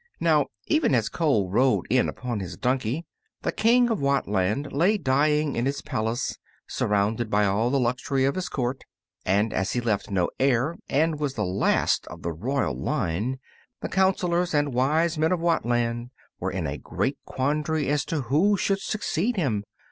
Now, even as Cole rode in upon his donkey the King of Whatland lay dying in his palace, surrounded by all the luxury of the court. And as he left no heir, and was the last of the royal line, the councilors and wise men of Whatland were in a great quandary as to who should succeed him.